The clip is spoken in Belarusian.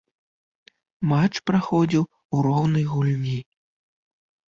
Матч праходзіў у роўнай гульні.